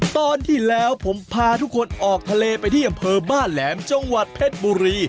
ตอนที่แล้วผมพาทุกคนออกทะเลไปที่อำเภอบ้านแหลมจังหวัดเพชรบุรี